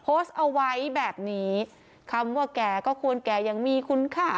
โพสต์เอาไว้แบบนี้คำว่าแก่ก็ควรแก่ยังมีคุณค่า